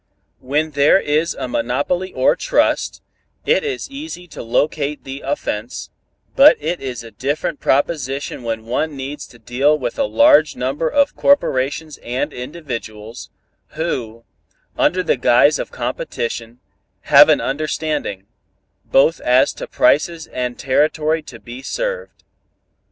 "When there is a monopoly or trust, it is easy to locate the offense, but it is a different proposition when one must needs deal with a large number of corporations and individuals, who, under the guise of competition, have an understanding, both as to prices and territory to be served.